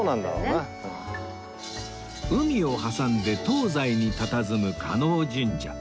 海を挟んで東西にたたずむ叶神社